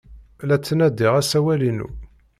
La ttnadiɣ asawal-inu.